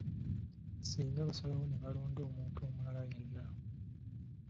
Singa basalawo ne balonda omuntu omulala yenna.